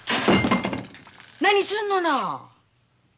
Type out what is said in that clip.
何すんのな！